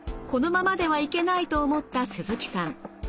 このままではいけないと思った鈴木さん。